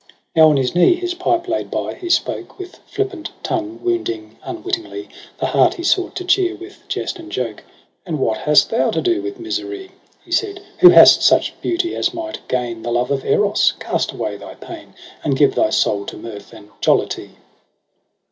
i6 Now on his knee his pipe laid by, he spoke With flippant tongue, wounding unwittingly The heart he sought to cheer with jest and joke. ' And what hast thou to do with misery,' He said, ' who hast such beauty as might gain The love of Eros ? Cast away thy pain. And give thy soul to mirth and jollity.